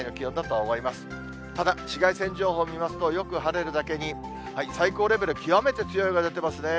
ただ紫外線情報を見ますと、よく晴れるだけに、最高レベル、極めて強いが出てますね。